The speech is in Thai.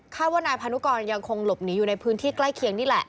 ว่านายพานุกรยังคงหลบหนีอยู่ในพื้นที่ใกล้เคียงนี่แหละ